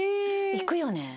行くよね。